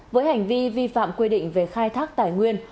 với hành vi vi phạm quy định về khai thác tài nguyên